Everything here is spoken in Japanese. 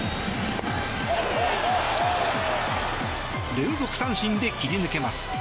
連続三振で切り抜けます。